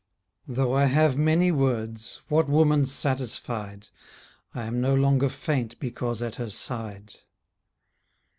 Though I have many words, What woman's satisfied, I am no longer faint Because at her side?